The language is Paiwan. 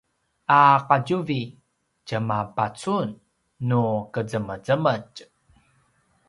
a qatjuvi tjamapacun nu qezemezemetj